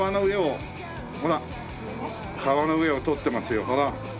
川の上を通ってますよほら。